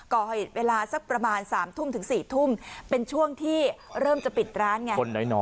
ก่อเหตุเวลาสักประมาณ๓๔ทุ่มเป็นช่วงที่เริ่มจะปิดร้านไง